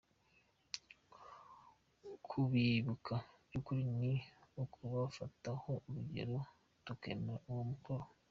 Kubibuka by'ukuri ni ukubafataho urugero, tukemera uwo mukoro.